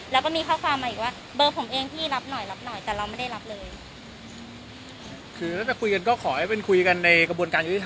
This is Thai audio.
แล้วก็มีข้อความมาอีกว่าเบอร์ผมเองพี่รับหน่อยรับหน่อยแต่เราไม่ได้รับเลย